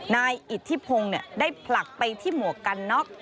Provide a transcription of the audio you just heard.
นายอิทธิพงศ์ได้ผลักไปที่หมวกกันน็อก